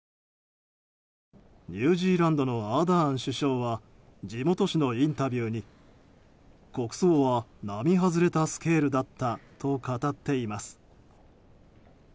ニュージーランドのアーダーン首相は地元紙のインタビューに国葬は並外れたスケールだったと語っています。